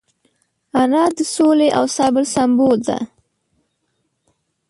انا د سولې او صبر سمبول ده